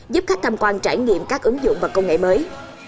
giúp khách tham quan trải nghiệm các ứng dụng và công nghệ mới